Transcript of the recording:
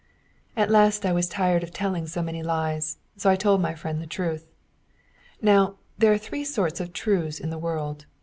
At last I was tired of telling so many lies, so I told my friend the truth. Now, there are three sorts of truths in the world.